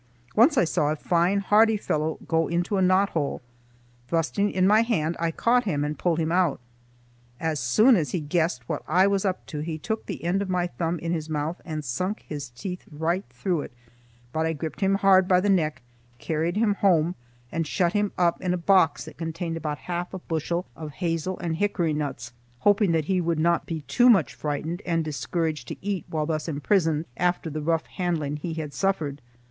Once I saw a fine hardy fellow go into a knot hole. Thrusting in my hand I caught him and pulled him out. As soon as he guessed what I was up to, he took the end of my thumb in his mouth and sunk his teeth right through it, but I gripped him hard by the neck, carried him home, and shut him up in a box that contained about half a bushel of hazel and hickory nuts, hoping that he would not be too much frightened and discouraged to eat while thus imprisoned after the rough handling he had suffered.